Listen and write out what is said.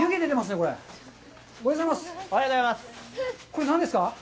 これは何ですか。